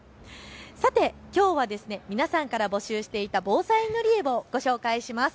さてきょうは皆さんから募集していた防災塗り絵をご紹介します。